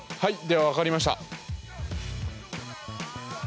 では分かりました。